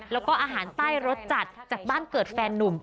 แล้วก็อาหารใต้รสจัดจากบ้านเกิดแฟนนุ่ม